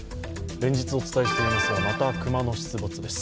連日お伝えしていますが、また熊の出没です。